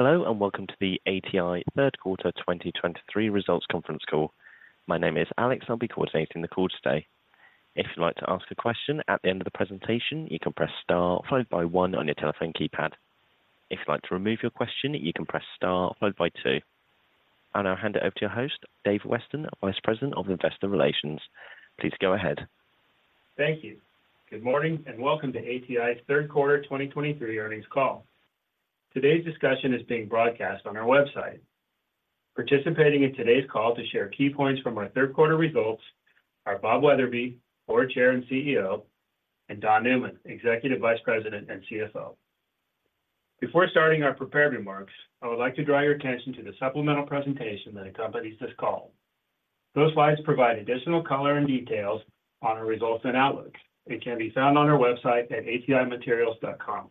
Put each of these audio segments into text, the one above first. Hello, and welcome to the ATI Third Quarter 2023 Results Conference Call. My name is Alex, I'll be coordinating the call today. If you'd like to ask a question at the end of the presentation, you can press star followed by one on your telephone keypad. If you'd like to remove your question, you can press star followed by two. I'll now hand it over to your host, Dave Weston, Vice President of Investor Relations. Please go ahead. Thank you. Good morning, and welcome to ATI's Third Quarter 2023 earnings call. Today's discussion is being broadcast on our website. Participating in today's call to share key points from our third quarter results are Bob Wetherbee, Board Chair and CEO, and Don Newman, Executive Vice President and CFO. Before starting our prepared remarks, I would like to draw your attention to the supplemental presentation that accompanies this call. Those slides provide additional color and details on our results and outlook. It can be found on our website at atimaterials.com.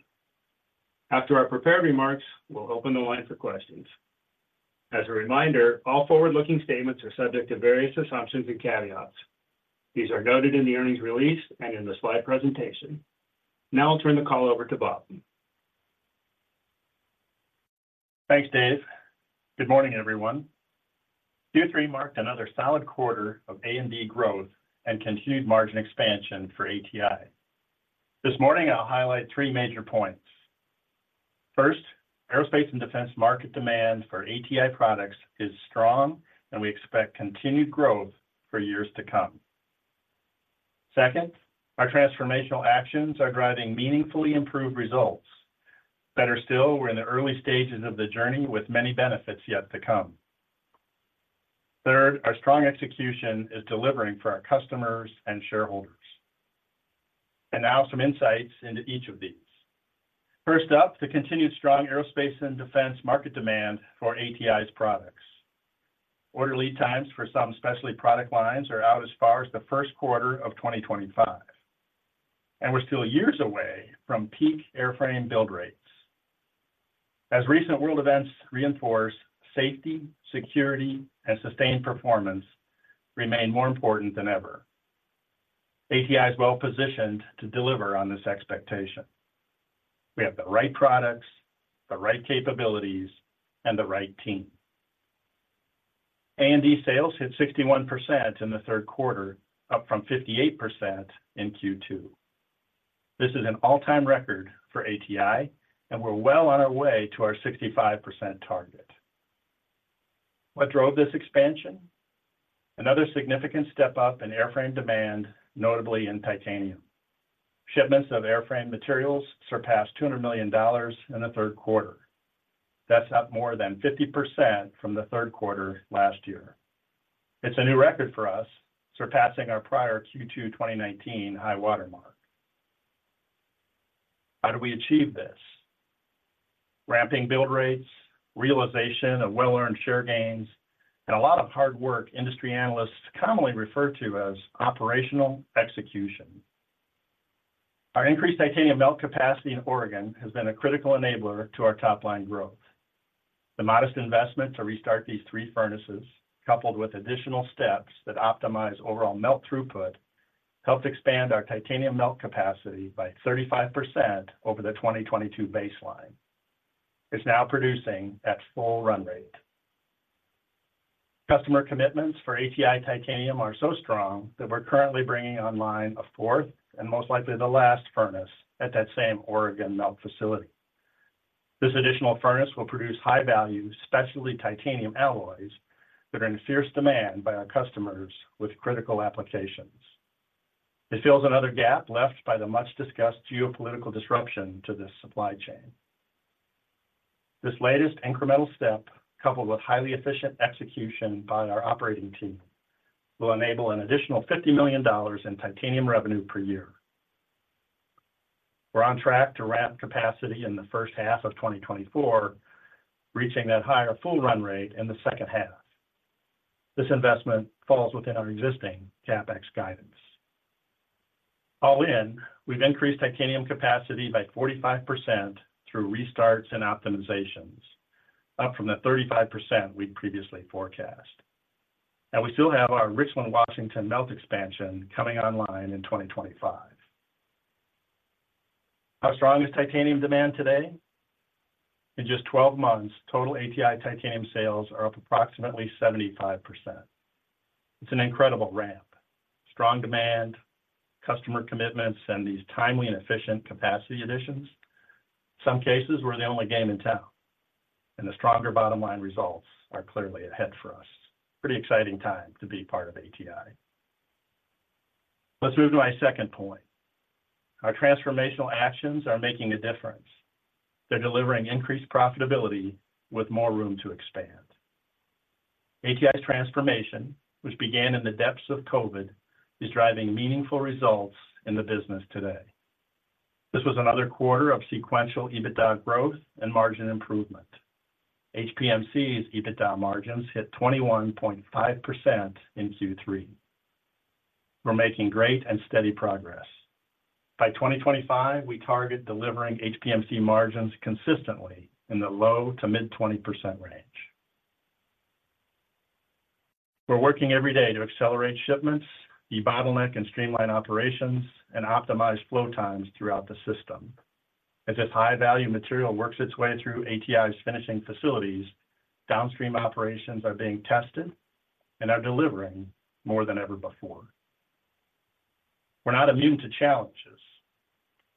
After our prepared remarks, we'll open the line for questions. As a reminder, all forward-looking statements are subject to various assumptions and caveats. These are noted in the earnings release and in the slide presentation. Now I'll turn the call over to Bob. Thanks, Dave. Good morning, everyone. Q3 marked another solid quarter of A and D growth and continued margin expansion for ATI. This morning, I'll highlight three major points. First, aerospace and defense market demand for ATI products is strong, and we expect continued growth for years to come. Second, our transformational actions are driving meaningfully improved results. Better still, we're in the early stages of the journey, with many benefits yet to come. Third, our strong execution is delivering for our customers and shareholders. And now some insights into each of these. First up, the continued strong aerospace and defense market demand for ATI's products. Order lead times for some specialty product lines are out as far as the first quarter of 2025, and we're still years away from peak airframe build rates. As recent world events reinforce, safety, security, and sustained performance remain more important than ever. ATI is well-positioned to deliver on this expectation. We have the right products, the right capabilities, and the right team. A and D sales hit 61% in the third quarter, up from 58% in Q2. This is an all-time record for ATI, and we're well on our way to our 65% target. What drove this expansion? Another significant step up in airframe demand, notably in titanium. Shipments of airframe materials surpassed $200 million in the third quarter. That's up more than 50% from the third quarter last year. It's a new record for us, surpassing our prior Q2 2019 high-water mark. How do we achieve this? Ramping build rates, realization of well-earned share gains, and a lot of hard work industry analysts commonly refer to as operational execution. Our increased titanium melt capacity in Oregon has been a critical enabler to our top-line growth. The modest investment to restart these three furnaces, coupled with additional steps that optimize overall melt throughput, helped expand our titanium melt capacity by 35% over the 2022 baseline. It's now producing at full run rate. Customer commitments for ATI titanium are so strong that we're currently bringing online a fourth, and most likely the last furnace, at that same Oregon melt facility. This additional furnace will produce high-value, specialty titanium alloys that are in fierce demand by our customers with critical applications. It fills another gap left by the much-discussed geopolitical disruption to this supply chain. This latest incremental step, coupled with highly efficient execution by our operating team, will enable an additional $50 million in titanium revenue per year. We're on track to ramp capacity in the first half of 2024, reaching that higher full run rate in the second half. This investment falls within our existing CapEx guidance. All in, we've increased titanium capacity by 45% through restarts and optimizations, up from the 35% we'd previously forecast. We still have our Richland, Washington, melt expansion coming online in 2025. How strong is titanium demand today? In just 12 months, total ATI titanium sales are up approximately 75%. It's an incredible ramp. Strong demand, customer commitments, and these timely and efficient capacity additions. Some cases, we're the only game in town, and the stronger bottom-line results are clearly ahead for us. Pretty exciting time to be part of ATI. Let's move to my second point. Our transformational actions are making a difference. They're delivering increased profitability with more room to expand. ATI's transformation, which began in the depths of COVID, is driving meaningful results in the business today. This was another quarter of sequential EBITDA growth and margin improvement. HPMC's EBITDA margins hit 21.5% in Q3. We're making great and steady progress. By 2025, we target delivering HPMC margins consistently in the low- to mid-20% range. We're working every day to accelerate shipments, debottleneck and streamline operations, and optimize flow times throughout the system. As this high-value material works its way through ATI's finishing facilities, downstream operations are being tested and are delivering more than ever before. We're not immune to challenges.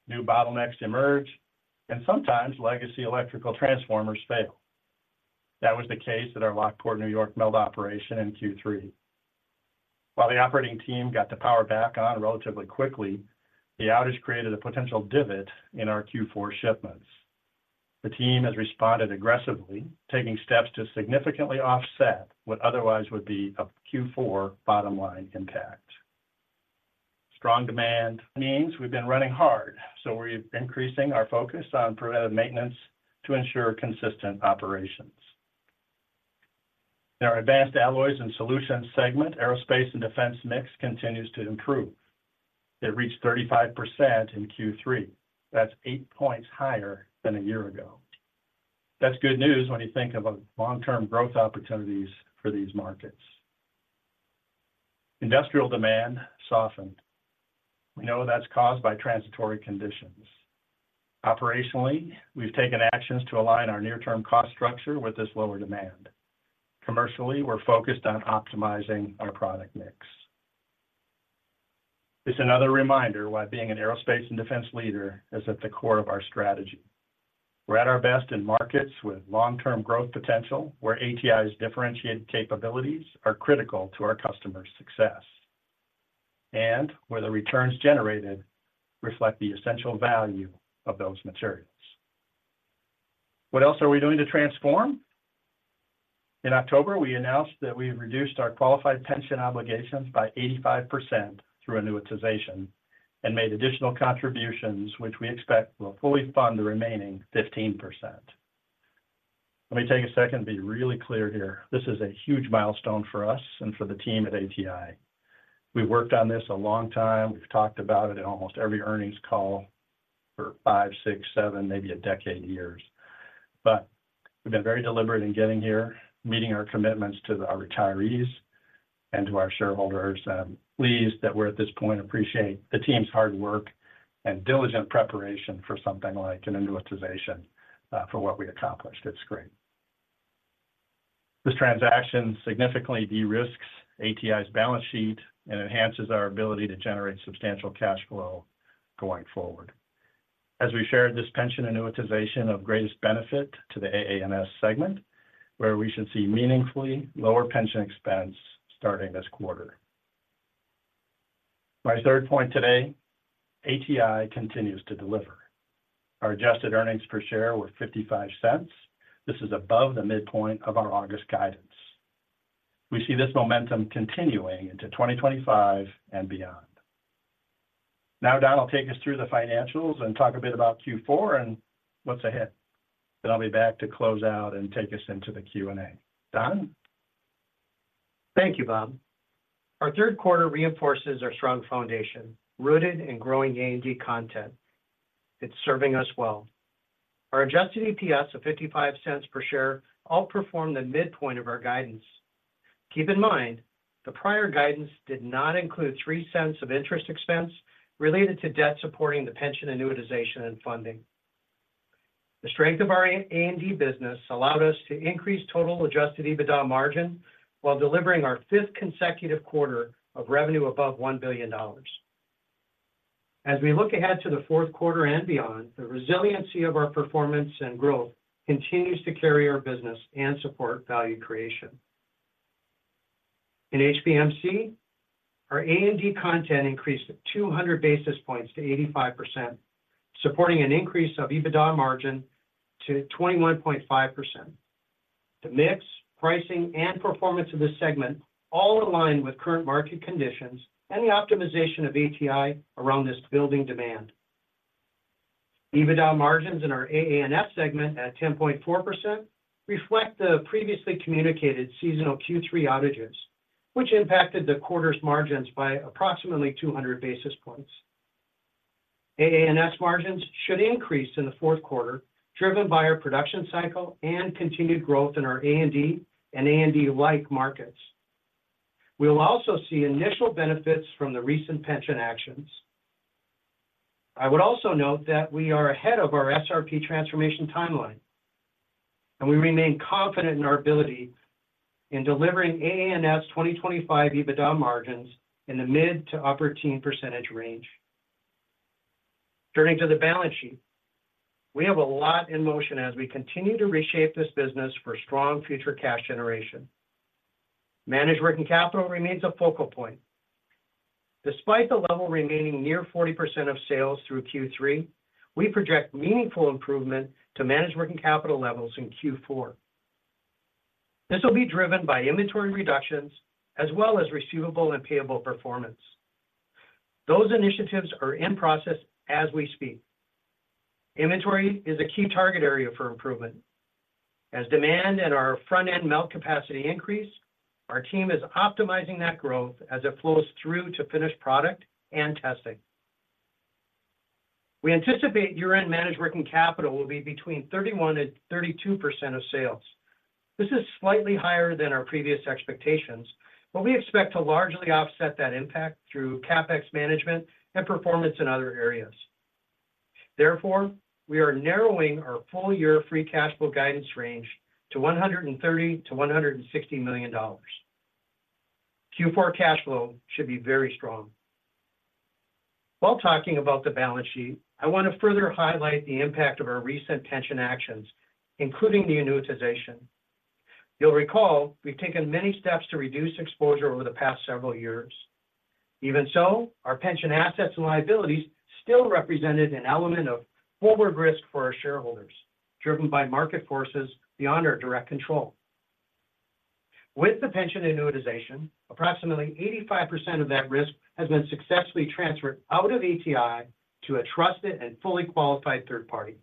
New bottlenecks emerge, and sometimes legacy electrical transformers fail. That was the case at our Lockport, New York, melt operation in Q3. While the operating team got the power back on relatively quickly, the outage created a potential divot in our Q4 shipments. The team has responded aggressively, taking steps to significantly offset what otherwise would be a Q4 bottom-line impact. Strong demand means we've been running hard, so we're increasing our focus on preventive maintenance to ensure consistent operations. In our Advanced Alloys and Solutions segment, aerospace and defense mix continues to improve. It reached 35% in Q3. That's eight points higher than a year ago. That's good news when you think of long-term growth opportunities for these markets. Industrial demand softened. We know that's caused by transitory conditions. Operationally, we've taken actions to align our near-term cost structure with this lower demand. Commercially, we're focused on optimizing our product mix. It's another reminder why being an aerospace and defense leader is at the core of our strategy. We're at our best in markets with long-term growth potential, where ATI's differentiated capabilities are critical to our customers' success, and where the returns generated reflect the essential value of those materials. What else are we doing to transform? In October, we announced that we had reduced our qualified pension obligations by 85% through annuitization and made additional contributions, which we expect will fully fund the remaining 15%. Let me take a second and be really clear here. This is a huge milestone for us and for the team at ATI. We worked on this a long time. We've talked about it in almost every earnings call for five, six, seven, maybe a decade years. But we've been very deliberate in getting here, meeting our commitments to our retirees and to our shareholders. I'm pleased that we're at this point. I appreciate the team's hard work and diligent preparation for something like an annuitization for what we accomplished. It's great. This transaction significantly de-risks ATI's balance sheet and enhances our ability to generate substantial cash flow going forward. As we shared, this pension annuitization of greatest benefit to the AA&S segment, where we should see meaningfully lower pension expense starting this quarter. My third point today, ATI continues to deliver. Our adjusted earnings per share were $0.55. This is above the midpoint of our August guidance. We see this momentum continuing into 2025 and beyond. Now, Don will take us through the financials and talk a bit about Q4 and what's ahead. Then I'll be back to close out and take us into the Q&A. Don? Thank you, Bob. Our third quarter reinforces our strong foundation, rooted in growing A&D content. It's serving us well. Our adjusted EPS of $0.55 per share outperformed the midpoint of our guidance. Keep in mind, the prior guidance did not include $0.03 of interest expense related to debt supporting the pension annuitization and funding. The strength of our A&D business allowed us to increase total adjusted EBITDA margin while delivering our fifth consecutive quarter of revenue above $1 billion. As we look ahead to the fourth quarter and beyond, the resiliency of our performance and growth continues to carry our business and support value creation. In HPMC, our A&D content increased at 200 basis points to 85%, supporting an increase of EBITDA margin to 21.5%. The mix, pricing, and performance of this segment all align with current market conditions and the optimization of ATI around this building demand. EBITDA margins in our AA&S segment at 10.4% reflect the previously communicated seasonal Q3 outages, which impacted the quarter's margins by approximately 200 basis points. AA&S margins should increase in the fourth quarter, driven by our production cycle and continued growth in our A&D and A&D-like markets. We will also see initial benefits from the recent pension actions. I would also note that we are ahead of our SRP transformation timeline, and we remain confident in our ability in delivering AA&S's 2025 EBITDA margins in the mid- to upper-teens % range. Turning to the balance sheet, we have a lot in motion as we continue to reshape this business for strong future cash generation. Managed working capital remains a focal point. Despite the level remaining near 40% of sales through Q3, we project meaningful improvement to managed working capital levels in Q4. This will be driven by inventory reductions as well as receivable and payable performance. Those initiatives are in process as we speak. Inventory is a key target area for improvement. As demand at our front-end melt capacity increase, our team is optimizing that growth as it flows through to finished product and testing.... We anticipate year-end managed working capital will be between 31%-32% of sales. This is slightly higher than our previous expectations, but we expect to largely offset that impact through CapEx management and performance in other areas. Therefore, we are narrowing our full-year free cash flow guidance range to $130 million-$160 million. Q4 cash flow should be very strong. While talking about the balance sheet, I want to further highlight the impact of our recent pension actions, including the annuitization. You'll recall, we've taken many steps to reduce exposure over the past several years. Even so, our pension assets and liabilities still represented an element of forward risk for our shareholders, driven by market forces beyond our direct control. With the pension annuitization, approximately 85% of that risk has been successfully transferred out of ATI to a trusted and fully qualified third party.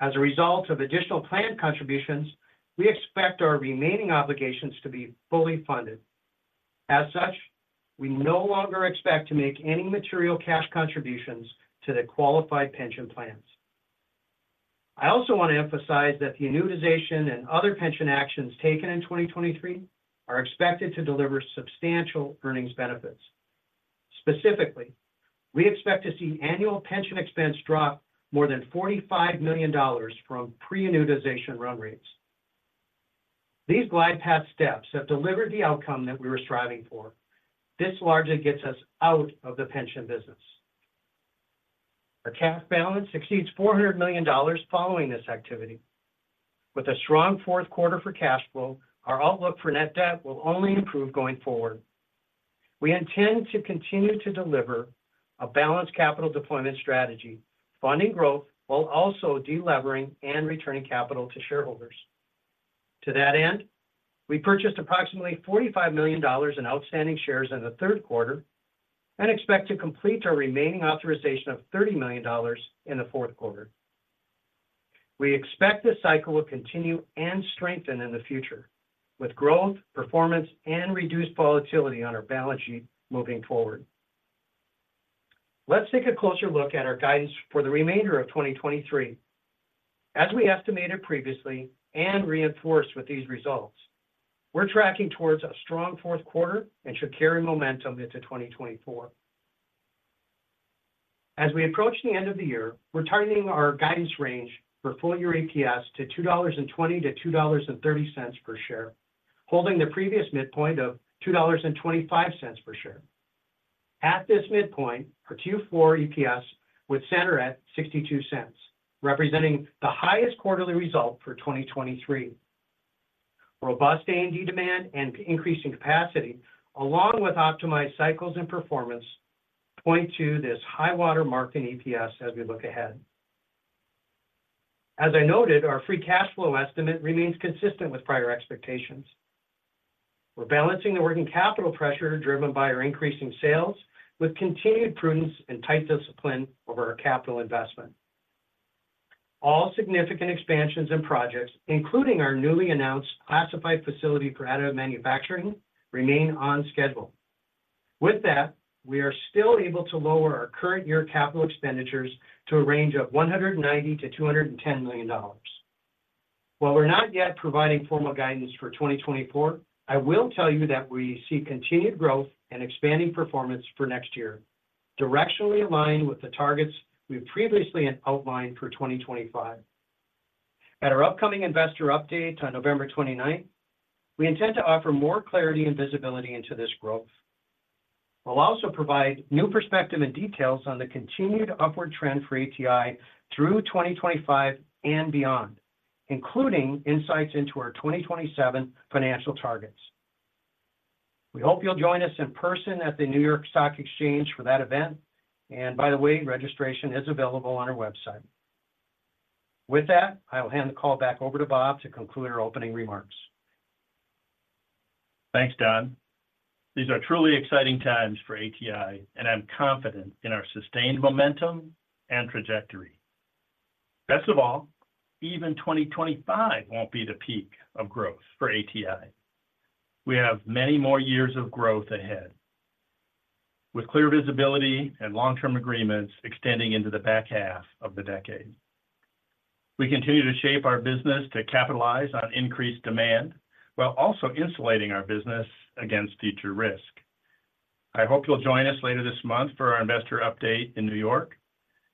As a result of additional plan contributions, we expect our remaining obligations to be fully funded. As such, we no longer expect to make any material cash contributions to the qualified pension plans. I also want to emphasize that the annuitization and other pension actions taken in 2023 are expected to deliver substantial earnings benefits. Specifically, we expect to see annual pension expense drop more than $45 million from pre-annuitization run rates. These glide path steps have delivered the outcome that we were striving for. This largely gets us out of the pension business. Our cash balance exceeds $400 million following this activity. With a strong fourth quarter for cash flow, our outlook for net debt will only improve going forward. We intend to continue to deliver a balanced capital deployment strategy, funding growth, while also delevering and returning capital to shareholders. To that end, we purchased approximately $45 million in outstanding shares in the third quarter and expect to complete our remaining authorization of $30 million in the fourth quarter. We expect this cycle will continue and strengthen in the future with growth, performance, and reduced volatility on our balance sheet moving forward. Let's take a closer look at our guidance for the remainder of 2023. As we estimated previously and reinforced with these results, we're tracking towards a strong fourth quarter and should carry momentum into 2024. As we approach the end of the year, we're tightening our guidance range for full year EPS to $2.20-$2.30 per share, holding the previous midpoint of $2.25 per share. At this midpoint, our Q4 EPS would center at $0.62, representing the highest quarterly result for 2023. Robust A&D demand and increasing capacity, along with optimized cycles and performance, point to this high water mark in EPS as we look ahead. As I noted, our free cash flow estimate remains consistent with prior expectations. We're balancing the working capital pressure driven by our increasing sales with continued prudence and tight discipline over our capital investment. All significant expansions and projects, including our newly announced classified facility for additive manufacturing, remain on schedule. With that, we are still able to lower our current year capital expenditures to a range of $190 million-$210 million. While we're not yet providing formal guidance for 2024, I will tell you that we see continued growth and expanding performance for next year, directionally aligned with the targets we've previously outlined for 2025. At our upcoming investor update on November 29th, we intend to offer more clarity and visibility into this growth. We'll also provide new perspective and details on the continued upward trend for ATI through 2025 and beyond, including insights into our 2027 financial targets. We hope you'll join us in person at the New York Stock Exchange for that event. And by the way, registration is available on our website. With that, I will hand the call back over to Bob to conclude our opening remarks. Thanks, Don. These are truly exciting times for ATI, and I'm confident in our sustained momentum and trajectory. Best of all, even 2025 won't be the peak of growth for ATI. We have many more years of growth ahead, with clear visibility and long-term agreements extending into the back half of the decade. We continue to shape our business to capitalize on increased demand, while also insulating our business against future risk. I hope you'll join us later this month for our investor update in New York.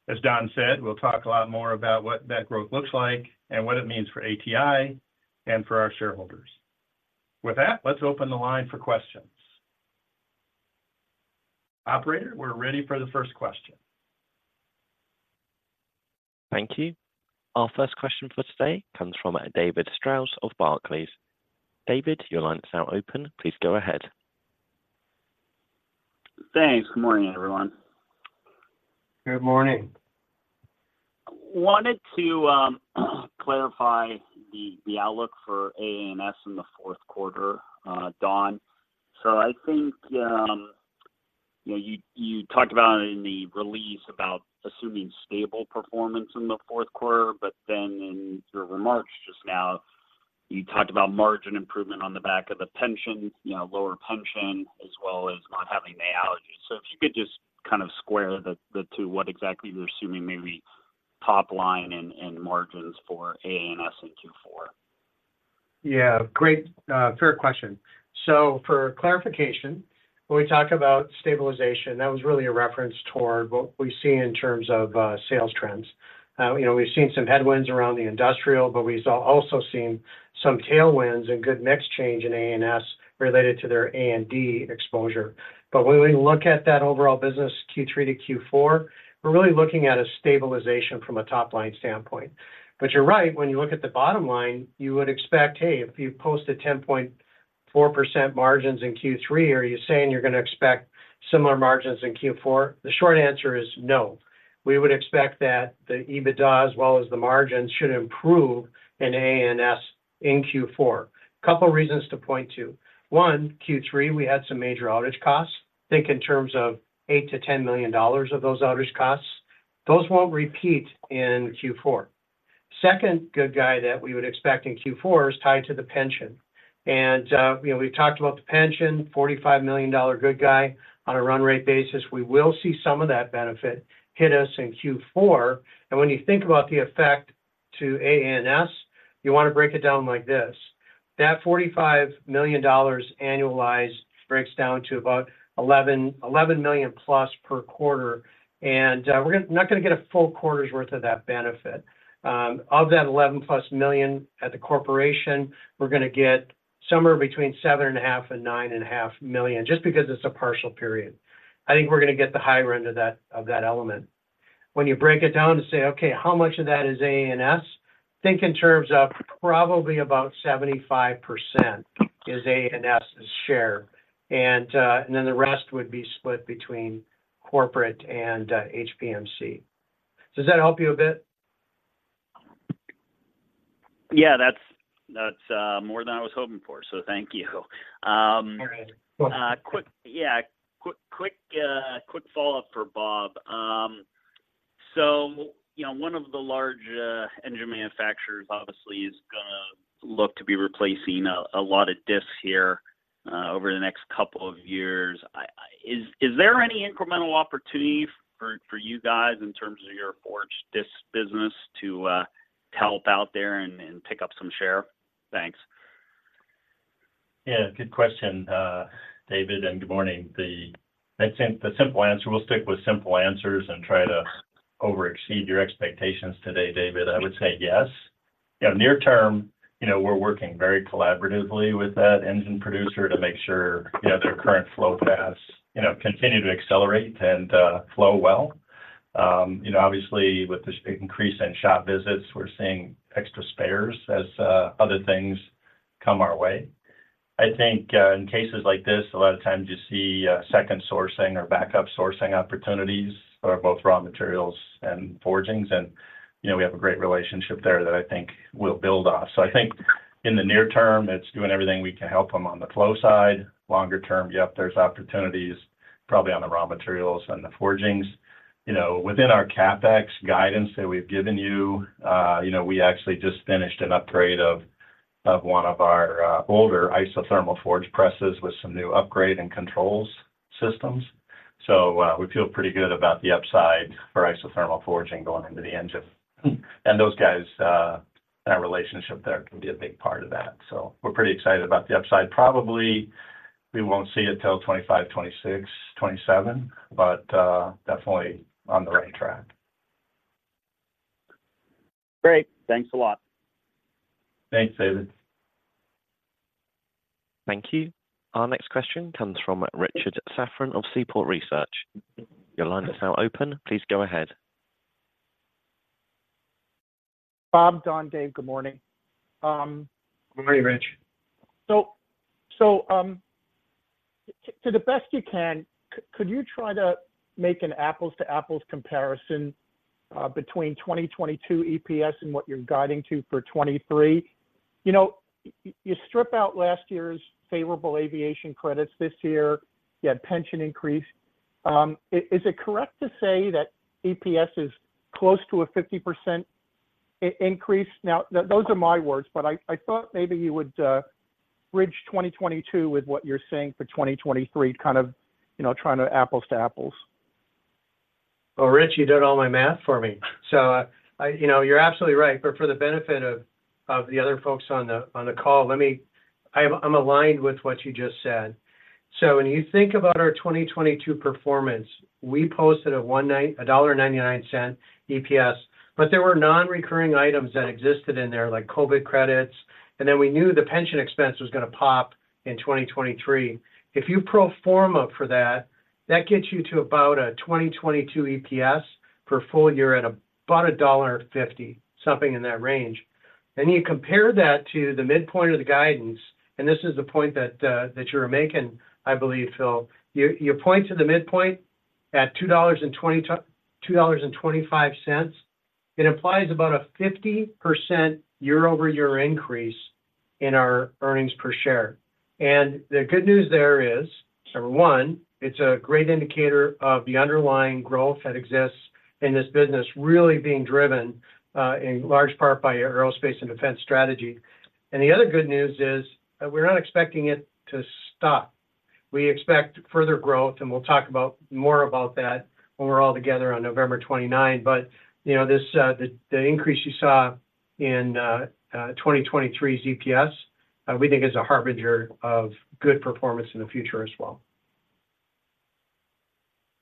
As Don said, we'll talk a lot more about what that growth looks like and what it means for ATI and for our shareholders. With that, let's open the line for questions. Operator, we're ready for the first question. Thank you. Our first question for today comes from David Strauss of Barclays. David, your line is now open. Please go ahead. Thanks. Good morning, everyone. Good morning. Wanted to clarify the outlook for AA&S in the fourth quarter, Don. So I think you know, you talked about in the release about assuming stable performance in the fourth quarter, but then in your remarks just now... You talked about margin improvement on the back of the pension, you know, lower pension, as well as not having the outages. So if you could just kind of square the two, what exactly you're assuming maybe top line and margins for A&S in Q4? Yeah, great, fair question. So for clarification, when we talk about stabilization, that was really a reference toward what we see in terms of sales trends. You know, we've seen some headwinds around the industrial, but we've also seen some tailwinds and good mix change in A&S related to their A&D exposure. But when we look at that overall business, Q3 to Q4, we're really looking at a stabilization from a top-line standpoint. But you're right, when you look at the bottom line, you would expect, hey, if you posted 10.4% margins in Q3, are you saying you're gonna expect similar margins in Q4? The short answer is no. We would expect that the EBITDA, as well as the margins, should improve in A&S in Q4. Couple reasons to point to: one, Q3, we had some major outage costs. Think in terms of $8-$10 million of those outage costs. Those won't repeat in Q4. Second good guy that we would expect in Q4 is tied to the pension. And, you know, we've talked about the pension, $45 million good guy on a run rate basis. We will see some of that benefit hit us in Q4. And when you think about the effect to A&S, you want to break it down like this: that $45 million annualized breaks down to about 11.1+ million per quarter, and, we're not gonna get a full quarter's worth of that benefit. Of that 11+ million at the corporation, we're gonna get somewhere between 7.5 and 9.5 million, just because it's a partial period. I think we're gonna get the higher end of that, of that element. When you break it down to say, "Okay, how much of that is A&S?" Think in terms of probably about 75% is A&S's share, and, and then the rest would be split between corporate and, HPMC. Does that help you a bit? Yeah, that's more than I was hoping for, so thank you. All right. Quick follow-up for Bob. So, you know, one of the large engine manufacturers obviously is gonna look to be replacing a lot of discs here over the next couple of years. Is there any incremental opportunity for you guys in terms of your forged disc business to help out there and pick up some share? Thanks. Yeah, good question, David, and good morning. I'd say the simple answer, we'll stick with simple answers and try to overexceed your expectations today, David. I would say yes. You know, near term, you know, we're working very collaboratively with that engine producer to make sure, you know, their current flow paths, you know, continue to accelerate and flow well. You know, obviously, with this increase in shop visits, we're seeing extra spares as other things come our way. I think, in cases like this, a lot of times you see second sourcing or backup sourcing opportunities for both raw materials and forgings, and, you know, we have a great relationship there that I think we'll build off. So I think in the near term, it's doing everything we can help them on the flow side. Longer term, yep, there's opportunities probably on the raw materials and the forgings. You know, within our CapEx guidance that we've given you, you know, we actually just finished an upgrade of, of one of our, older isothermal forge presses with some new upgrade and controls systems. So, we feel pretty good about the upside for isothermal forging going into the engine. And those guys, and our relationship there can be a big part of that. So we're pretty excited about the upside. Probably we won't see it till 2025, 2026, 2027, but, definitely on the right track. Great. Thanks a lot. Thanks, David. Thank you. Our next question comes from Richard Safran of Seaport Research. Your line is now open. Please go ahead. Bob, Don, Dave, good morning. Good morning, Rich. So, to the best you can, could you try to make an apples to apples comparison between 2022 EPS and what you're guiding to for 2023? You know, you strip out last year's favorable aviation credits. This year, you had pension increase. Is it correct to say that EPS is close to a 50% increase? Now, those are my words, but I thought maybe you would bridge 2022 with what you're seeing for 2023, kind of, you know, trying to apples to apples. Well, Rich, you did all my math for me. So, I... You know, you're absolutely right, but for the benefit of the other folks on the call, let me-- I'm aligned with what you just said. So when you think about our 2022 performance, we posted a $1.99 EPS, but there were non-recurring items that existed in there, like COVID credits, and then we knew the pension expense was gonna pop in 2023. If you pro forma for that, that gets you to about a 2022 EPS for full year at about $1.50, something in that range. Then you compare that to the midpoint of the guidance, and this is the point that you were making, I believe, Phil. You point to the midpoint at $2.25, it implies about a 50% year-over-year increase in our earnings per share. And the good news there is, number one, it's a great indicator of the underlying growth that exists in this business, really being driven in large part by aerospace and defense strategy. And the other good news is that we're not expecting it to stop. We expect further growth, and we'll talk about more about that when we're all together on November 29. But, you know, this, the increase you saw in 2023's EPS, we think is a harbinger of good performance in the future as well.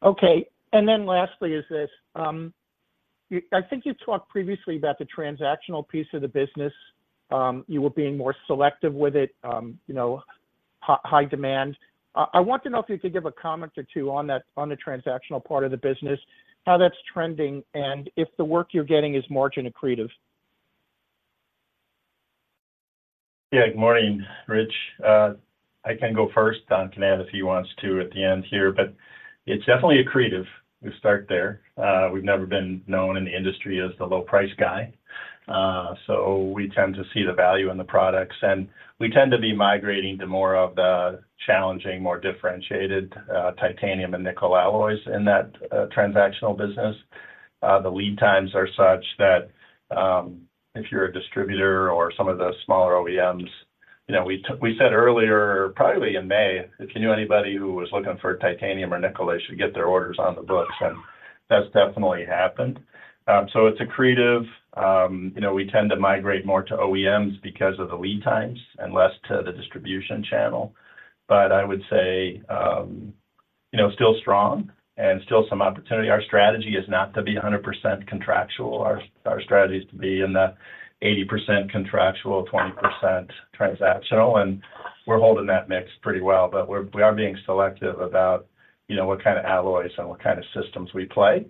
Okay. Then lastly is this, you—I think you talked previously about the transactional piece of the business. You were being more selective with it, you know, high demand. I want to know if you could give a comment or two on that, on the transactional part of the business, how that's trending, and if the work you're getting is margin accretive. Yeah. Good morning, Rich. I can go first, Don can add if he wants to at the end here, but it's definitely accretive. We start there. We've never been known in the industry as the low-price guy, so we tend to see the value in the products, and we tend to be migrating to more of the challenging, more differentiated, titanium and nickel alloys in that, transactional business. The lead times are such that, if you're a distributor or some of the smaller OEMs, you know, we said earlier, probably in May, if you knew anybody who was looking for titanium or nickel, they should get their orders on the books, and that's definitely happened. So it's accretive. You know, we tend to migrate more to OEMs because of the lead times and less to the distribution channel. But I would say, you know, still strong and still some opportunity. Our strategy is not to be 100% contractual. Our strategy is to be in the 80% contractual, 20% transactional, and we're holding that mix pretty well, but we are being selective about, you know, what kind of alloys and what kind of systems we play.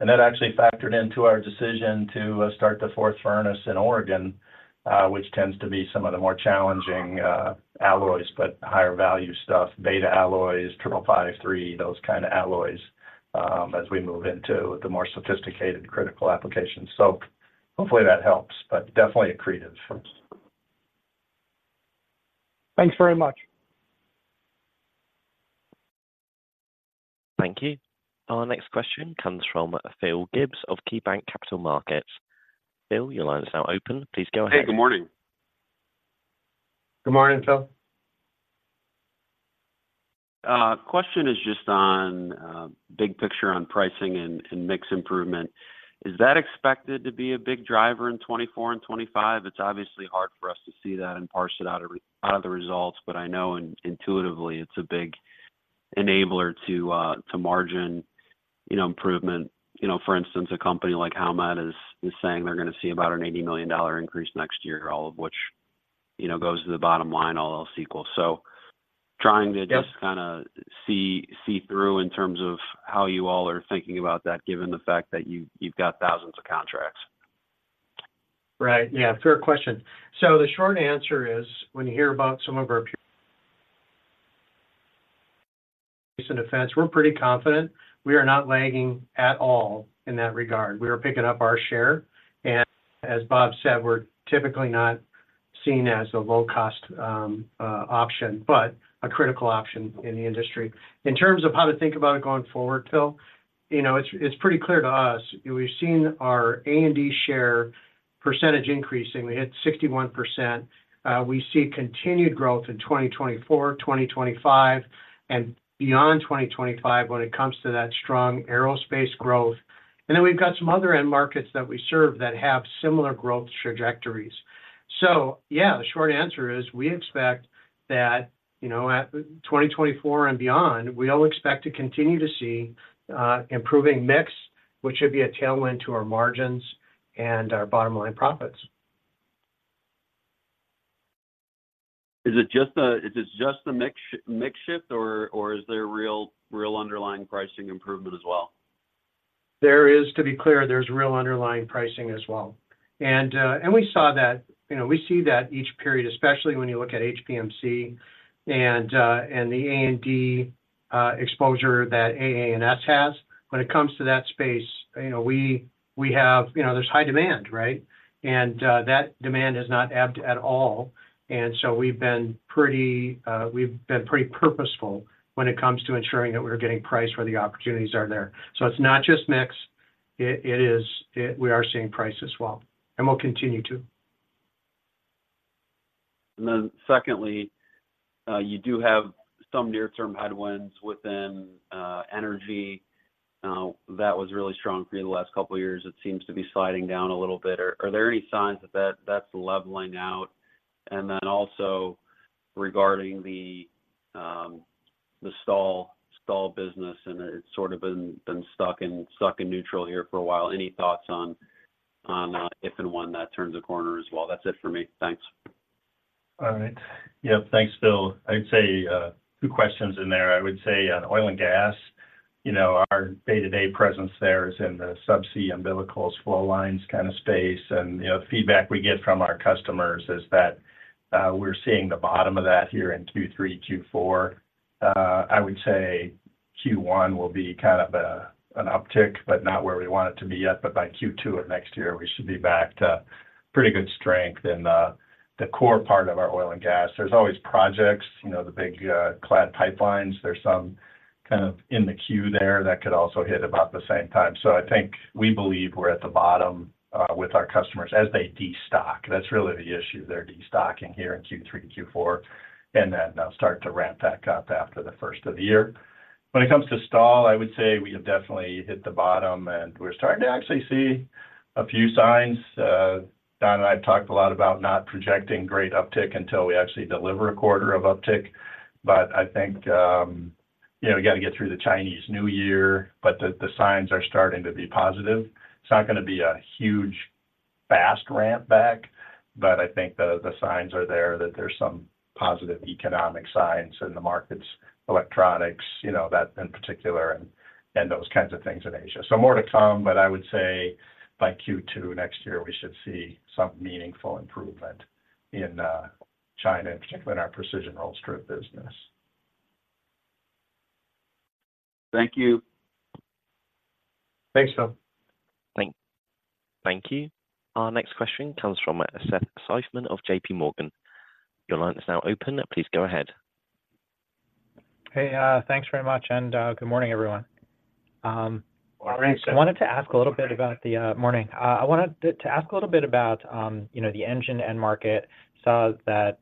And that actually factored into our decision to start the 4th furnace in Oregon, which tends to be some of the more challenging alloys, but higher value stuff, beta alloys, 5553 those kind of alloys, as we move into the more sophisticated, critical applications. So hopefully that helps, but definitely accretive. Thanks very much. Thank you. Our next question comes from Phil Gibbs of KeyBanc Capital Markets. Phil, your line is now open. Please go ahead. Hey, good morning. Good morning, Phil. Question is just on big picture on pricing and mix improvement. Is that expected to be a big driver in 2024 and 2025? It's obviously hard for us to see that and parse it out of the results, but I know intuitively, it's a big enabler to margin, you know, improvement. You know, for instance, a company like Howmet is saying they're gonna see about an $80 million increase next year, all of which, you know, goes to the bottom line, all else equal. So trying to- Yep... just kinda see through in terms of how you all are thinking about that, given the fact that you, you've got thousands of contracts. Right. Yeah, fair question. So the short answer is, when you hear about some of our defense, we're pretty confident we are not lagging at all in that regard. We are picking up our share, and as Bob said, we're typically not seen as a low-cost option, but a critical option in the industry. In terms of how to think about it going forward, Phil, you know, it's pretty clear to us, we've seen our A&D share percentage increasing. We hit 61%. We see continued growth in 2024, 2025, and beyond 2025 when it comes to that strong aerospace growth. And then we've got some other end markets that we serve that have similar growth trajectories. Yeah, the short answer is, we expect that, you know, at 2024 and beyond, we all expect to continue to see improving mix, which should be a tailwind to our margins and our bottom line profits. Is it just the mix shift, or is there real underlying pricing improvement as well? There is, to be clear, there's real underlying pricing as well. And, and we saw that, you know, we see that each period, especially when you look at HPMC and, and the A&D, exposure that AA and S has. When it comes to that space, you know, we, we have... You know, there's high demand, right? And, that demand has not ebbed at all, and so we've been pretty, we've been pretty purposeful when it comes to ensuring that we're getting priced where the opportunities are there. So it's not just mix. It, it is, it-- we are seeing price as well, and we'll continue to. And then secondly, you do have some near-term headwinds within energy. That was really strong for the last couple of years. It seems to be sliding down a little bit. Are there any signs that that's leveling out? And then also, regarding the steel business, and it's sort of been stuck in neutral here for a while. Any thoughts on if and when that turns a corner as well? That's it for me. Thanks. All right. Yep. Thanks, Phil. I'd say, two questions in there. I would say on oil and gas, you know, our day-to-day presence there is in the subsea umbilicals, flow lines kind of space, and, you know, the feedback we get from our customers is that, we're seeing the bottom of that here in Q3, Q4. I would say Q1 will be kind of a, an uptick, but not where we want it to be yet, but by Q2 of next year, we should be back to pretty good strength in, the core part of our oil and gas. There's always projects, you know, the big, clad pipelines. There's some kind of in the queue there that could also hit about the same time. So I think we believe we're at the bottom, with our customers as they destock. That's really the issue. They're destocking here in Q3, Q4, and then they'll start to ramp back up after the first of the year. When it comes to stall, I would say we have definitely hit the bottom, and we're starting to actually see a few signs. Don and I have talked a lot about not projecting great uptick until we actually deliver a quarter of uptick, but I think, you know, we got to get through the Chinese New Year, but the, the signs are starting to be positive. It's not gonna be a huge, fast ramp back, but I think the, the signs are there that there's some positive economic signs in the markets, electronics, you know, that in particular, and, and those kinds of things in Asia. More to come, but I would say by Q2 next year, we should see some meaningful improvement in China, in particular in our precision rolled strip business. Thank you. Thanks, Don. Thank, thank you. Our next question comes from Seth Seifman of JPMorgan. Your line is now open. Please go ahead. Hey, thanks very much, and, good morning, everyone. Morning, Seth. I wanted to ask a little bit about the Morning. I wanted to ask a little bit about, you know, the engine end market. Saw that,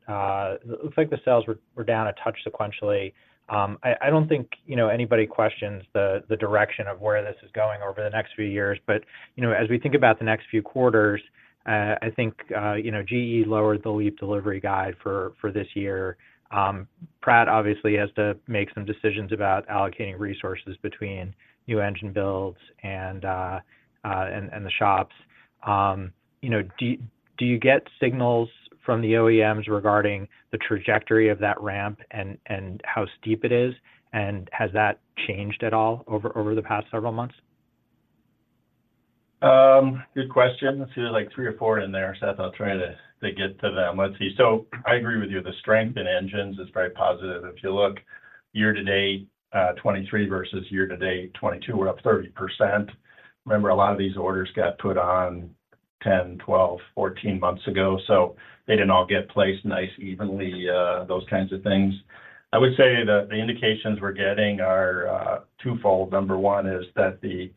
looks like the sales were down a touch sequentially. I don't think, you know, anybody questions the direction of where this is going over the next few years, but, you know, as we think about the next few quarters, I think, you know, GE lowered the LEAP delivery guide for this year. Pratt obviously has to make some decisions about allocating resources between new engine builds and the shops. You know, do you get signals from the OEMs regarding the trajectory of that ramp and how steep it is? And has that changed at all over the past several months? Good question. Let's see, there's like three or four in there, Seth. I'll try to get to them. Let's see. So I agree with you. The strength in engines is very positive. If you look year-to-date 2023 versus year-to-date 2022, we're up 30%. Remember, a lot of these orders got put on 10, 12, 14 months ago, so they didn't all get placed nice, evenly, those kinds of things. I would say that the indications we're getting are twofold. Number one is that the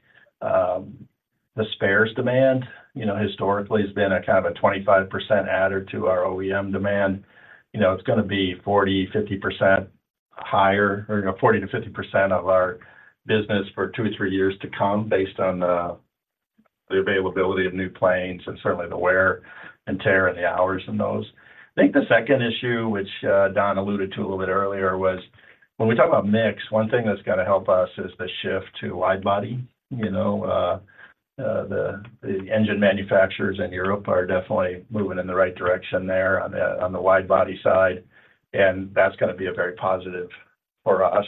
spares demand, you know, historically has been a kind of a 25% adder to our OEM demand. You know, it's gonna be 40%-50% higher or, you know, 40%-50% of our business for two or three years to come, based on the availability of new planes and certainly the wear and tear and the hours in those. I think the second issue, which Don alluded to a little bit earlier, was when we talk about mix, one thing that's gonna help us is the shift to wide-body. You know, the engine manufacturers in Europe are definitely moving in the right direction there on the wide-body side, and that's gonna be a very positive for us.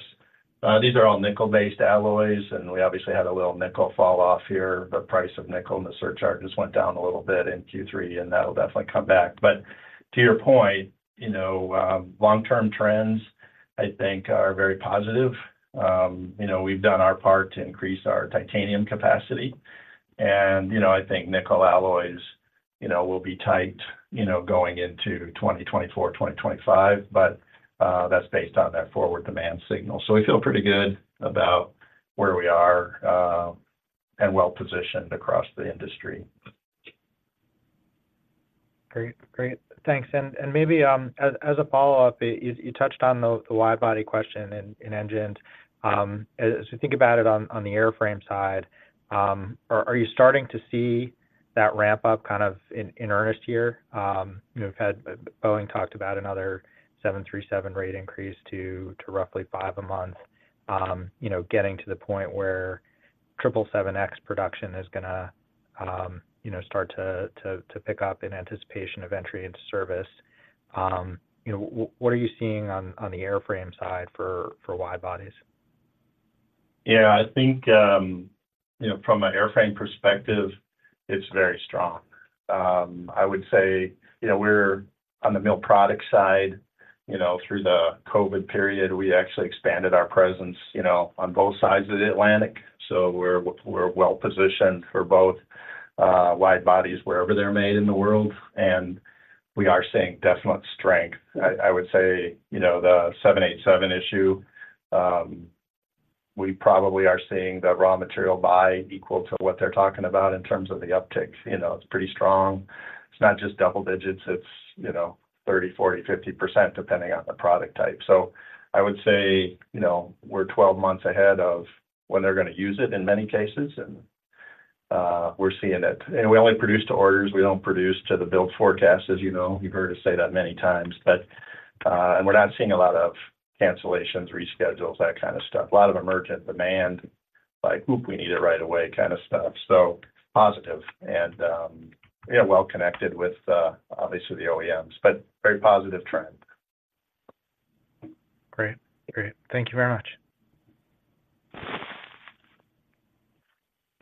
These are all nickel-based alloys, and we obviously had a little nickel falloff here. The price of nickel and the surcharges went down a little bit in Q3, and that'll definitely come back. But to your point, you know, long-term trends, I think are very positive. You know, we've done our part to increase our titanium capacity, and, you know, I think nickel alloys, you know, will be tight, you know, going into 2024, 2025, but, that's based on that forward demand signal. So we feel pretty good about where we are, and well positioned across the industry. Great. Great. Thanks. And maybe, as a follow-up, you touched on the wide body question in engines. As you think about it on the airframe side, are you starting to see that ramp up kind of in earnest here? You know, we've had Boeing talked about another 737 rate increase to roughly five a month. You know, getting to the point where 777X production is gonna start to pick up in anticipation of entry into service. You know, what are you seeing on the airframe side for wide bodies? Yeah, I think, you know, from an airframe perspective, it's very strong. I would say, you know, we're on the mill product side, you know, through the COVID period, we actually expanded our presence, you know, on both sides of the Atlantic. So we're, we're well positioned for both, wide bodies, wherever they're made in the world, and we are seeing definite strength. I would say, you know, the 787 issue, we probably are seeing the raw material buy equal to what they're talking about in terms of the uptick. You know, it's pretty strong. It's not just double digits, it's, you know, 30%, 40%, 50% depending on the product type. So I would say, you know, we're 12 months ahead of when they're gonna use it in many cases, and, we're seeing it. And we only produce to orders. We don't produce to the build forecast, as you know. You've heard us say that many times, but. We're not seeing a lot of cancellations, reschedules, that kind of stuff. A lot of emergent demand, like, "Oops, we need it right away," kind of stuff. So positive and, yeah, well connected with, obviously the OEMs, but very positive trend. Great. Great. Thank you very much.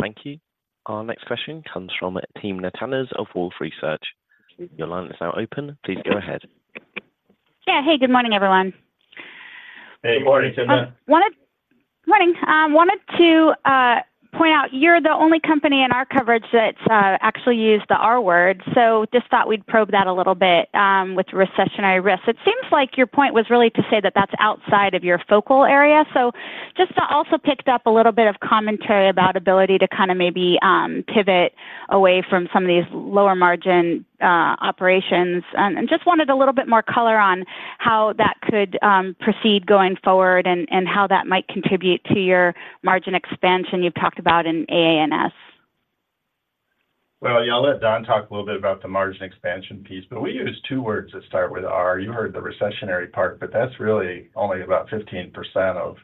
Thank you. Our next question comes from Timna Tanners of Wolfe Research. Your line is now open. Please go ahead. Yeah. Hey, good morning, everyone. ... Hey, good morning, Timna. Good morning! Wanted to point out you're the only company in our coverage that's actually used the R word, so just thought we'd probe that a little bit with recessionary risk. It seems like your point was really to say that that's outside of your focal area. So just also picked up a little bit of commentary about ability to kind of maybe pivot away from some of these lower margin operations. And just wanted a little bit more color on how that could proceed going forward and how that might contribute to your margin expansion you've talked about in AA&S. Well, yeah, I'll let Don talk a little bit about the margin expansion piece, but we use two words that start with R. You heard the recessionary part, but that's really only about 15% of,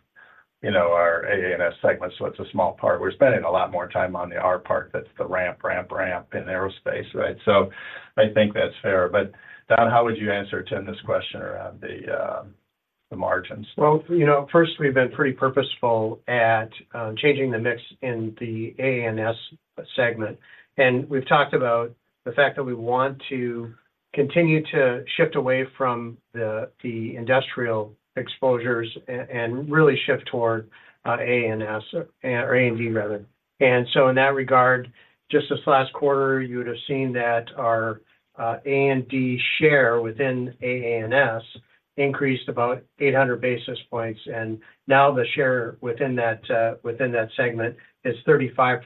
you know, our AA&S segment, so it's a small part. We're spending a lot more time on the R part, that's the ramp, ramp, ramp in aerospace, right? So I think that's fair. But Don, how would you answer Timna's question around the, the margins? Well, you know, first, we've been pretty purposeful at changing the mix in the AA&S segment. We've talked about the fact that we want to continue to shift away from the industrial exposures and really shift toward AA&S, or A&D rather. So in that regard, just this last quarter, you would have seen that our A&D share within AA&S increased about 800 basis points, and now the share within that, within that segment is 35%,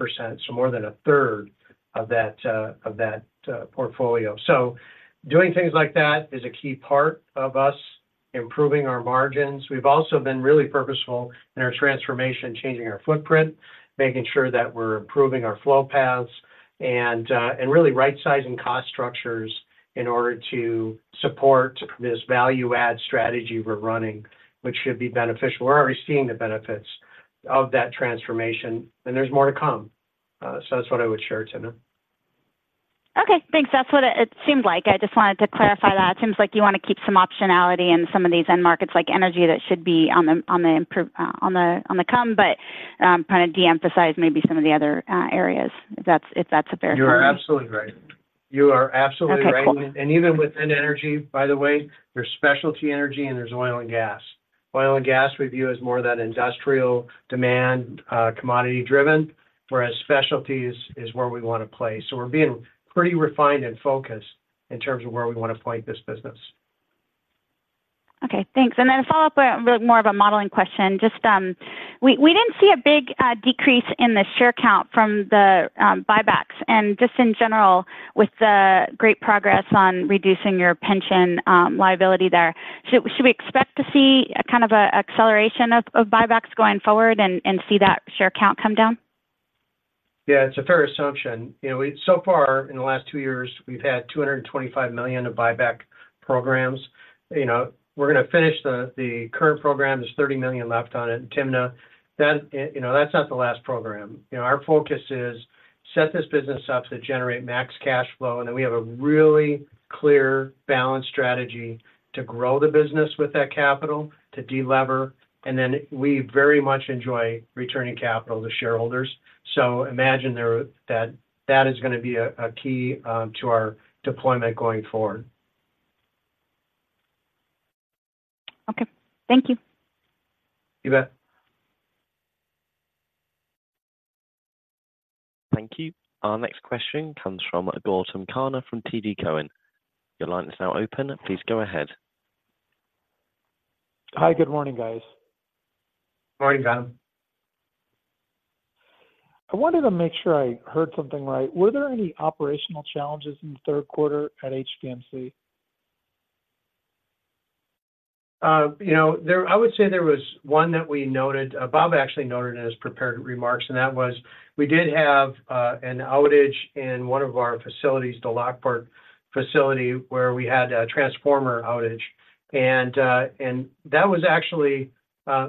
so more than a third of that, of that portfolio. So doing things like that is a key part of us improving our margins. We've also been really purposeful in our transformation, changing our footprint, making sure that we're improving our flow paths, and really right-sizing cost structures in order to support this value add strategy we're running, which should be beneficial. We're already seeing the benefits of that transformation, and there's more to come. So that's what I would share, Timna. Okay, thanks. That's what it seemed like. I just wanted to clarify that. It seems like you want to keep some optionality in some of these end markets, like energy, that should be on the improve, on the come, but kind of de-emphasize maybe some of the other areas, if that's a fair- You are absolutely right. You are absolutely right. Okay, cool. Even within energy, by the way, there's specialty energy and there's oil and gas. Oil and gas we view as more of that industrial demand, commodity-driven, whereas specialty is, is where we want to play. We're being pretty refined and focused in terms of where we want to play this business. Okay, thanks. And then a follow-up, more of a modeling question: just, we didn't see a big decrease in the share count from the buybacks and just in general with the great progress on reducing your pension liability there. Should we expect to see a kind of a acceleration of buybacks going forward and see that share count come down? Yeah, it's a fair assumption. You know, we-- so far in the last two years, we've had $225 million of buyback programs. You know, we're gonna finish the current program, there's $30 million left on it. Timna, that, you know, that's not the last program. You know, our focus is set this business up to generate max cash flow, and then we have a really clear balance strategy to grow the business with that capital, to delever, and then we very much enjoy returning capital to shareholders. So imagine there, that is gonna be a key to our deployment going forward. Okay. Thank you. You bet. Thank you. Our next question comes from Gautam Khanna from TD Cowen. Your line is now open. Please go ahead. Hi, good morning, guys. Good morning, Gautam. I wanted to make sure I heard something right. Were there any operational challenges in the third quarter at HPMC? You know, there, I would say there was one that we noted. Bob actually noted it in his prepared remarks, and that was we did have an outage in one of our facilities, the Lockport facility, where we had a transformer outage. And, and that was actually,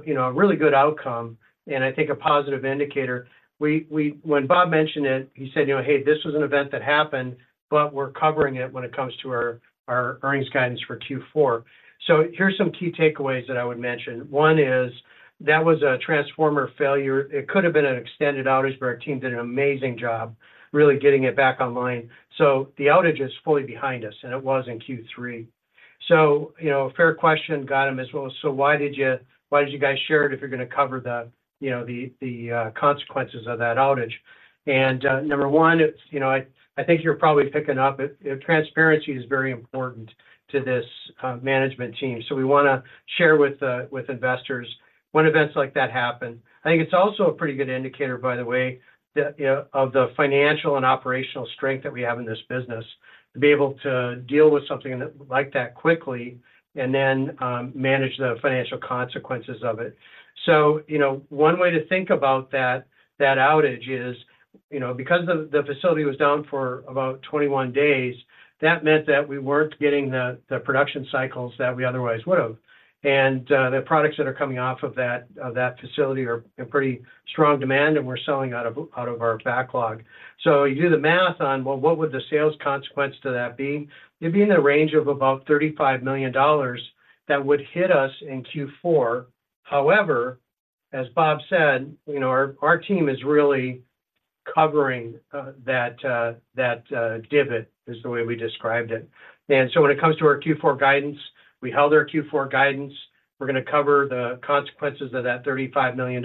you know, a really good outcome and I think a positive indicator. We, when Bob mentioned it, he said, "You know, hey, this was an event that happened, but we're covering it when it comes to our, our earnings guidance for Q4." So here are some key takeaways that I would mention: One is that was a transformer failure. It could have been an extended outage, but our team did an amazing job really getting it back online. So the outage is fully behind us, and it was in Q3. So, you know, fair question, Gautam, as well. So why did you, why did you guys share it if you're gonna cover the, you know, the, the consequences of that outage? And number one, it's, you know, I think you're probably picking up, transparency is very important to this management team, so we wanna share with investors when events like that happen. I think it's also a pretty good indicator, by the way, of the financial and operational strength that we have in this business, to be able to deal with something like that quickly and then manage the financial consequences of it. So, you know, one way to think about that outage is, you know, because the facility was down for about 21 days, that meant that we weren't getting the production cycles that we otherwise would have. And the products that are coming off of that facility are in pretty strong demand, and we're selling out of our backlog. So you do the math on, well, what would the sales consequence to that be? It'd be in the range of about $35 million that would hit us in Q4. However, as Bob said, you know, our team is really covering that divot is the way we described it. And so when it comes to our Q4 guidance, we held our Q4 guidance. We're gonna cover the consequences of that $35 million,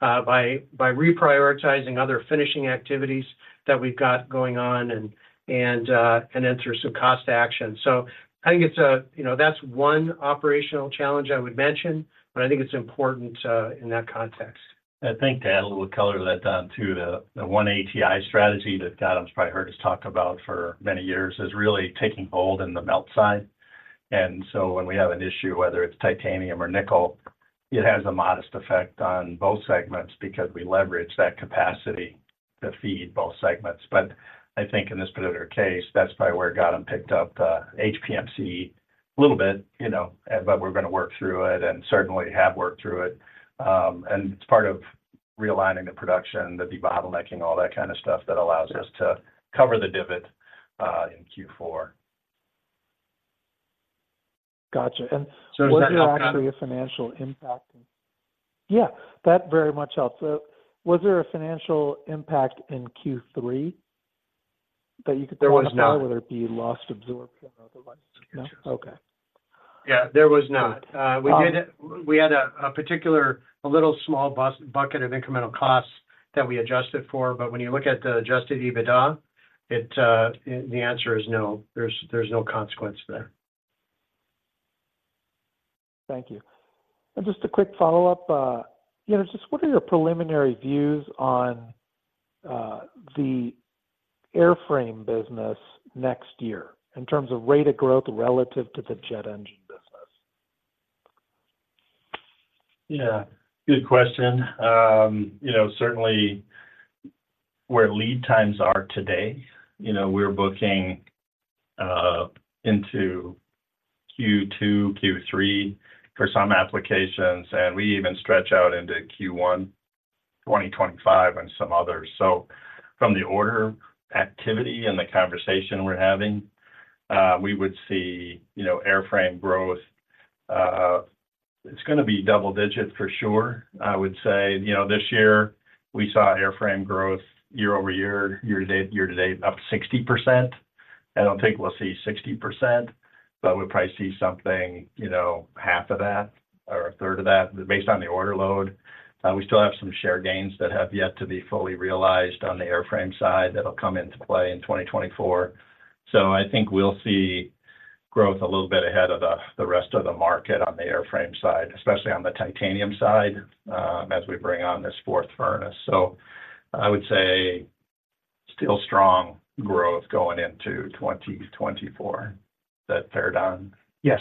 by reprioritizing other finishing activities that we've got going on and, and, and then through some cost action. So I think it's you know, that's one operational challenge I would mention, but I think it's important, in that context. I think to add a little color to that, Don, too, the one ATI strategy that Don's probably heard us talk about for many years is really taking hold in the melt side. And so when we have an issue, whether it's titanium or nickel, it has a modest effect on both segments because we leverage that capacity to feed both segments. But I think in this particular case, that's probably where Don picked up HPMC a little bit, you know, but we're gonna work through it and certainly have worked through it. And it's part of realigning the production, the debottlenecking, all that kind of stuff, that allows us to cover the divot in Q4. Gotcha. And was there actually a financial impact? Yeah, that very much helps. Was there a financial impact in Q3 that you could- There was not. Whether it be lost absorption or otherwise? No. Okay. Yeah, there was not. Um- We had a particular little small bucket of incremental costs that we adjusted for, but when you look at the adjusted EBITDA, the answer is no, there's no consequence there. Thank you. Just a quick follow-up, you know, just what are your preliminary views on the airframe business next year in terms of rate of growth relative to the jet engine business? Yeah, good question. You know, certainly where lead times are today, you know, we're booking into Q2, Q3 for some applications, and we even stretch out into Q1, 2025, and some others. So from the order activity and the conversation we're having, we would see, you know, airframe growth. It's gonna be double-digit for sure. I would say, you know, this year we saw airframe growth year-over-year, year-to-date, year-to-date, up 60%. I don't think we'll see 60%, but we'll probably see something, you know, half of that or a third of that, based on the order load. We still have some share gains that have yet to be fully realized on the airframe side that'll come into play in 2024. So I think we'll see growth a little bit ahead of the rest of the market on the airframe side, especially on the titanium side, as we bring on this fourth furnace. So I would say still strong growth going into 2024. Is that fair, Don? Yes.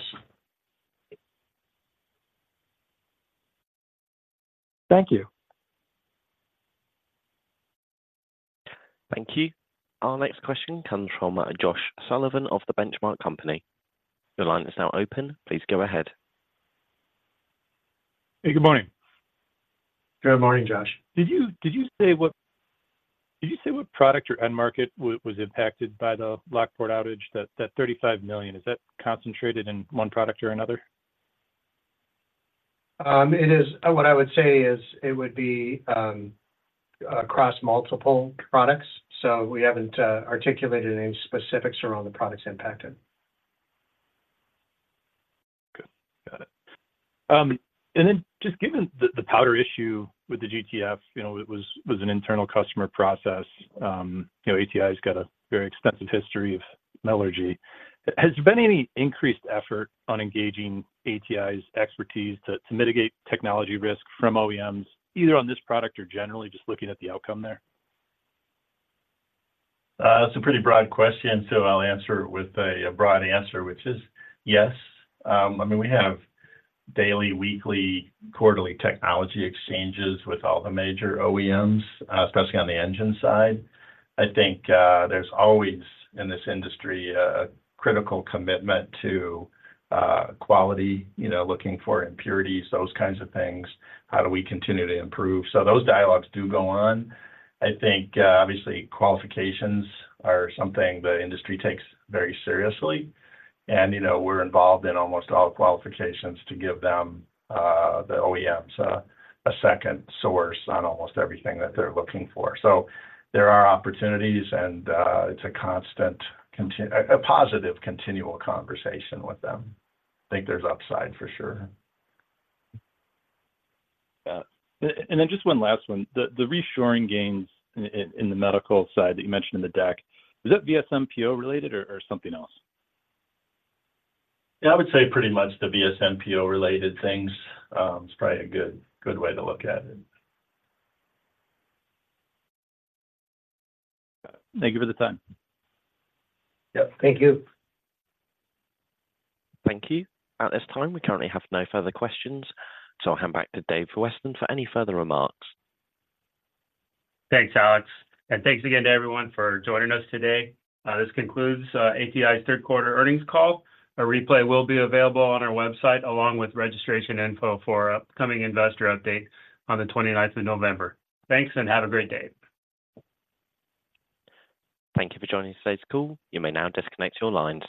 Thank you. Thank you. Our next question comes from Josh Sullivan of the Benchmark Company. Your line is now open. Please go ahead. Hey, good morning. Good morning, Josh. Did you say what product or end market was impacted by the Lockport outage, that $35 million? Is that concentrated in one product or another? It is. What I would say is it would be across multiple products, so we haven't articulated any specifics around the products impacted. Good. Got it. And then just given the powder issue with the GTF, you know, it was an internal customer process. You know, ATI's got a very extensive history of metallurgy. Has there been any increased effort on engaging ATI's expertise to mitigate technology risk from OEMs, either on this product or generally just looking at the outcome there? That's a pretty broad question, so I'll answer it with a broad answer, which is yes. I mean, we have daily, weekly, quarterly technology exchanges with all the major OEMs, especially on the engine side. I think, there's always, in this industry, a, a critical commitment to, quality, you know, looking for impurities, those kinds of things. How do we continue to improve? So those dialogues do go on. I think, obviously, qualifications are something the industry takes very seriously, and, you know, we're involved in almost all qualifications to give them, the OEMs, a, a second source on almost everything that they're looking for. So there are opportunities, and, it's a constant, a positive, continual conversation with them. I think there's upside for sure. Yeah. And then just one last one. The reshoring gains in the medical side that you mentioned in the deck, is that VSMPO related or something else? Yeah, I would say pretty much the VSMPO-related things is probably a good, good way to look at it. Thank you for the time. Yep, thank you. Thank you. At this time, we currently have no further questions, so I'll hand back to Dave Weston for any further remarks. Thanks, Alex, and thanks again to everyone for joining us today. This concludes ATI's third quarter earnings call. A replay will be available on our website, along with registration info for our upcoming investor update on the 29th of November. Thanks, and have a great day. Thank you for joining today's call. You may now disconnect your lines.